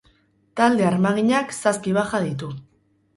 Talde armaginak zazpi baja ditu.